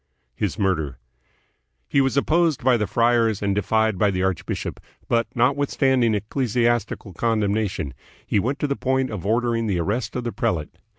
His Murder. He was opposed by the friars and defied by the archbishop, but, notwithstanding ecclesiastical con demnation, he went to the point of ordering the arrest of the prelate.